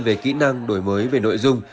về kỹ năng đổi mới về nội dung